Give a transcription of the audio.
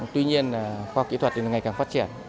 tuy nhiên là khoa kỹ thuật thì ngày càng phát triển